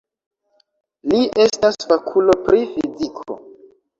Li estas fakulo pri fiziko.